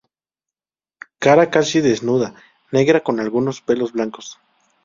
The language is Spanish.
Cara casi desnuda, negra con algunos pelos blancos.